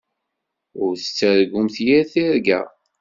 Ur tettargumt yir tirga.